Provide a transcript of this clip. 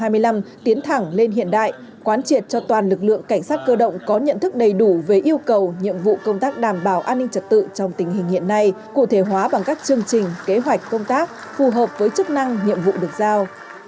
tiến thẳng lên hiện đại quán triệt cho toàn lực lượng cảnh sát cơ động có nhận thức đầy đủ về yêu cầu nhiệm vụ công tác đảm bảo an ninh trật tự trong tình hình hiện nay cụ thể hóa bằng các chương trình kế hoạch công tác phù hợp với chức năng nhiệm vụ được giao